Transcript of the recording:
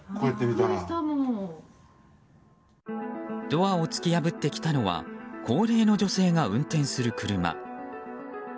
ドアを突き破ってきたのは高齢の女性が運転する車。